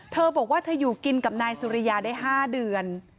เธอบอกว่าเธออยู่กินกับนายสุริยาได้๕เดือน